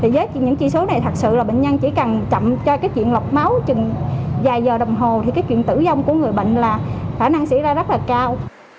với những chỉ số này thật sự là bệnh nhân chỉ cần chậm cho chuyện lọc máu dài giờ đồng hồ thì chuyện tử vong của người bệnh là khả năng xảy ra rất là cao